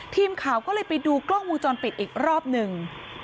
ทีมข่าวก็เลยไปดูกล้องวงจรปิดอีกรอบหนึ่ง